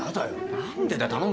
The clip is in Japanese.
何でだ頼むよ。